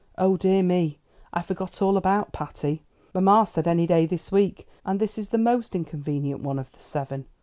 "Oh, dear me! I forgot all about Patty. Mamma said any day this week, and this is the most inconvenient one of the seven.